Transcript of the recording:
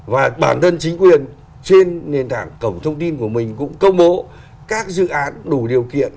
và bản thân chính quyền trên nền tảng cổng thông tin của mình cũng công bố các dự án đủ điều kiện